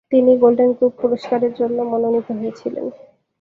তিনি Golden Globe পুরস্কারের জন্যও মনোনীত হয়েছিলেন।